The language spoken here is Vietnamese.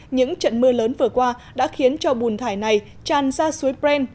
những trận mưa lớn vừa qua đã khiến cho bùn thải này tràn ra suối pren